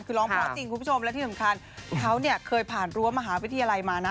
คือร้องเพราะจริงคุณผู้ชมและที่สำคัญเขาเนี่ยเคยผ่านรั้วมหาวิทยาลัยมานะ